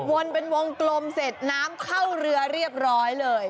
วนเป็นวงกลมเสร็จน้ำเข้าเรือเรียบร้อยเลย